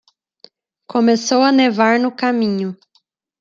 Começou a nevar no caminho.